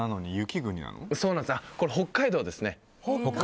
これ、北海道です。